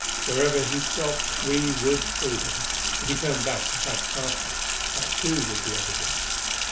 Whenever he stopped, we would see him. If he turned back and flashed past us, that too would be evident.